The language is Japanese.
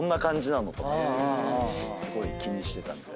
すごい気にしてたみたい。